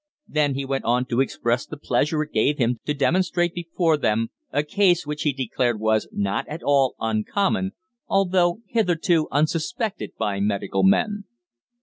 Then he went on to express the pleasure it gave him to demonstrate before them a case which he declared was not at all uncommon, although hitherto unsuspected by medical men.